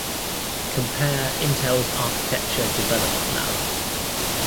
Compare Intel's Architecture Development Lab.